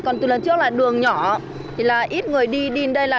còn từ lần trước là đường nhỏ thì là ít người đi đi đây là